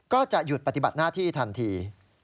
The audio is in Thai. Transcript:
ก็จะหยุดปฏิบัติหน้าที่ทันที